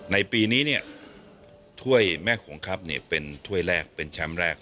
ในปีนี้เนี่ยถ้วยแม่โขงครับเป็นถ้วยแรกเป็นแชมป์แรก